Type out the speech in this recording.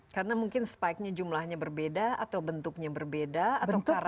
karena mungkin spike nya jumlahnya berbeda atau bentuknya berbeda atau karakteristiknya berbeda